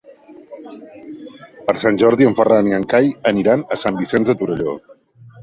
Per Sant Jordi en Ferran i en Cai aniran a Sant Vicenç de Torelló.